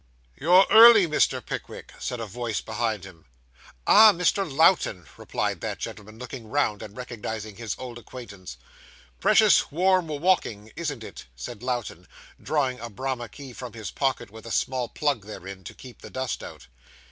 'You're early, Mr. Pickwick,' said a voice behind him. 'Ah, Mr. Lowten,' replied that gentleman, looking round, and recognising his old acquaintance. 'Precious warm walking, isn't it?' said Lowten, drawing a Bramah key from his pocket, with a small plug therein, to keep the dust out.